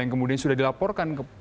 yang kemudian sudah dilaporkan